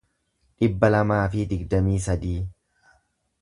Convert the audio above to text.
dhibba lamaa fi digdamii sadii